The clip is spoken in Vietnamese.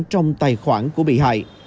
trong tài khoản của bị hại